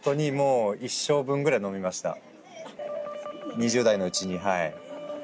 ２０代のうちにはい。